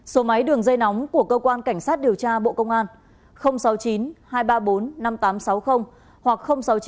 số máy đường dây nóng của cơ quan cảnh sát điều tra bộ công an sáu mươi chín hai trăm ba mươi bốn năm nghìn tám trăm sáu mươi hoặc sáu mươi chín hai trăm ba mươi một một nghìn sáu trăm bảy